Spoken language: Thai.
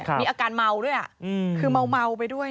มีอาการเมาด้วยคือเมาไปด้วย